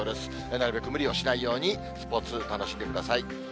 なるべく無理をしないように、スポーツ、楽しんでください。